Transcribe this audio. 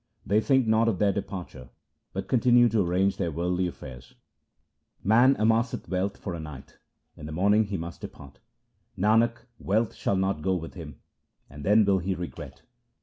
They think not of their departure, but continue to arrange their worldly affairs. Man amasseth wealth for a night ; in the morning he must depart. SIKH. II E 50 THE SIKH RELIGION Nanak, wealth shall not go with him, and then will he regret.